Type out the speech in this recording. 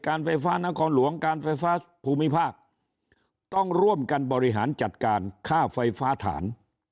ไฟฟ้านครหลวงการไฟฟ้าภูมิภาคต้องร่วมกันบริหารจัดการค่าไฟฟ้าฐาน